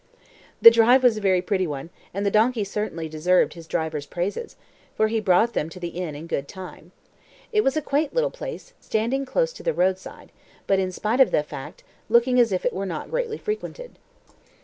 The drive was a very pretty one, and the donkey certainly deserved his driver's praises, for he brought them to the inn in good time. It was a quaint little place, standing close to the roadside, but, in spite of that fact, looking as if it were not greatly frequented.